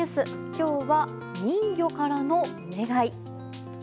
今日は、人魚からのお願い。